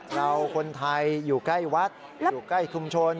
เราคนไทยอยู่ใกล้วัดอยู่ใกล้ชุมชน